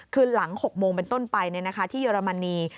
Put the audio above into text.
คือหลัง๖โมงเป็นต้นไปที่เยอรมนี